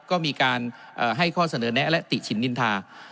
ก็มีการให้ข้อเสนอแนะและติฉินนินทา